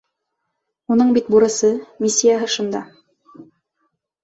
Уның бит бурысы, миссияһы шунда.